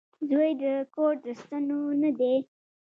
• زوی د کور د ستنو نه دی.